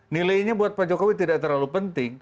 nilainya buat pak jokowi tidak terlalu penting